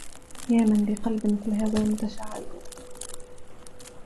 يا من لقلب في الهوى متشعب